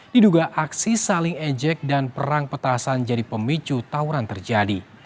diduga aksi saling ejek dan perang petasan jadi pemicu tawuran terjadi